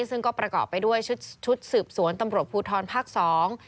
ซึ่งก็ประกอบไปด้วยชุดชุดสืบสวนตำรวจภูทรภาคสอง